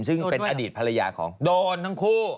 ซึ่งเป็นอดีตภรรยาของโดนทั้งคู่